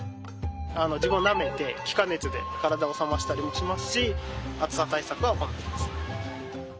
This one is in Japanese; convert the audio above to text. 自分をなめて気化熱で体を冷ましたりもしますし暑さ対策は行ってます。